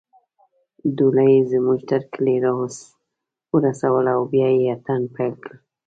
ډولۍ يې زموږ تر کلي راورسوله او بیا يې اتڼ پیل کړ